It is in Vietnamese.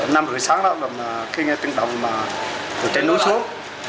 năm hồi sáng đó khi nghe tiếng đồng chạy núi xuống